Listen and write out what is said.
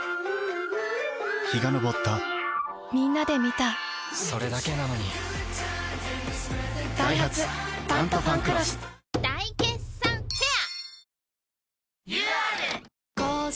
陽が昇ったみんなで観たそれだけなのにダイハツ「タントファンクロス」大決算フェア